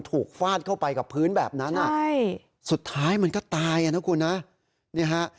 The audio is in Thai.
ฟาดเข้าไปกับพื้นแบบนั้นอ่ะใช่สุดท้ายมันก็ตายอ่ะนะคุณนะนี่ฮะ